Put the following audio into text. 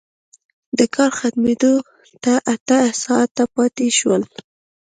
د کار ختمېدو ته اته ساعته پاتې وو